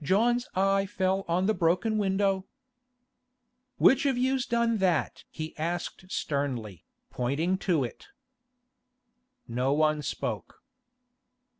John's eye fell on the broken window. 'Which of you's done that?' he asked sternly, pointing to it. No one spoke.